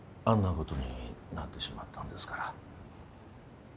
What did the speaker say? あんな事になってしまったんですから。